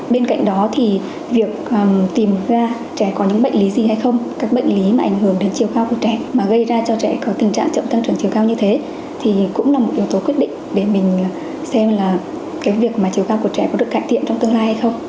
bên cạnh đó thì việc tìm ra trẻ có những bệnh lý gì hay không các bệnh lý mà ảnh hưởng đến chiều cao của trẻ mà gây ra cho trẻ có tình trạng chậm tăng trưởng chiều cao như thế thì cũng là một yếu tố quyết định để mình xem là cái việc mà chiều cao của trẻ có được cải thiện trong tương lai hay không